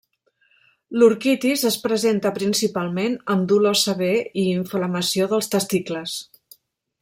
L'orquitis es presenta principalment amb dolor sever i inflamació dels testicles.